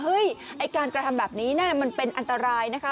ไอ้การกระทำแบบนี้นั่นมันเป็นอันตรายนะคะ